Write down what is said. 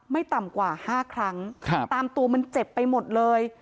ไม่ต่ำกว่า๕ครั้งตามตัวมันเจ็บไปหมดเลย